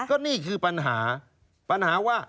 ก็นี่คือปัญหา